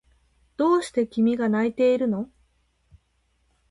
どうして君が泣いているの？